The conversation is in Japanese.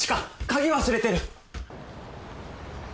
鍵忘れてる！